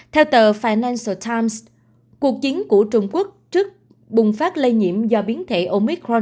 theo tờ financal times cuộc chiến của trung quốc trước bùng phát lây nhiễm do biến thể omicron